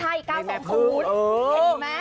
เห็นไหมจับได้